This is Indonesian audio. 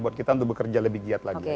buat kita untuk bekerja lebih giat lagi